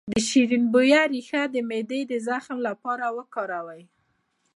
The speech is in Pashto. د شیرین بویې ریښه د معدې د زخم لپاره وکاروئ